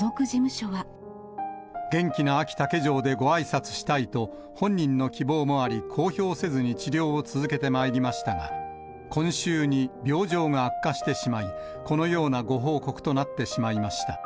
元気なあき竹城でごあいさつしたいと、本人の希望もあり、公表せずに治療を続けてまいりましたが、今秋に、病状が悪化してしまい、このようなご報告となってしまいました。